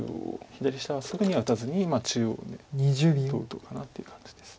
左下はすぐには打たずに中央にどう打とうかなという感じです。